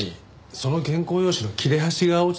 その原稿用紙の切れ端が落ちてたんですよ。